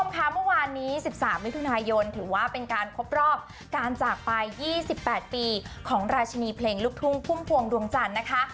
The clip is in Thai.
ค่ะเมื่อวานนี้๑๓มิถุนายนถือว่าเป็นการครบรอบการจากไป๒๘ปีของราชินีเพลงลูกทุ่งพุ่มพวงดวงจันทร์นะคะ